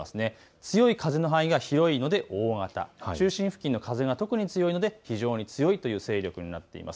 強い風の勢力が広いので大型、中心付近の風が強いので非常に強いとなっています。